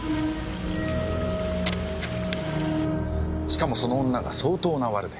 しかもその女が相当なワルで。